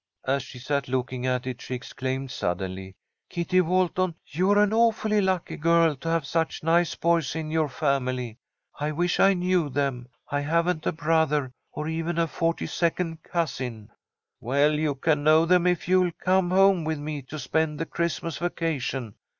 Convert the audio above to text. As she sat looking at it, she exclaimed, suddenly: "Kitty Walton, you're an awfully lucky girl to have such nice boys in your family. I wish I knew them. I haven't a brother or even a forty second cousin." "Well, you can know them if you'll come home with me to spend the Christmas vacation.